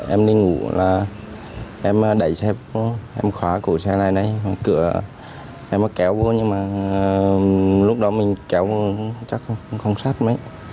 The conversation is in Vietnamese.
em đi ngủ là em đẩy xe em khóa cửa xe này em kéo vô nhưng mà lúc đó mình kéo vô chắc không sát mấy